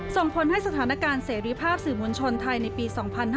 ส่งผลให้สถานการณ์เสรีภาพสื่อมวลชนไทยในปี๒๕๕๙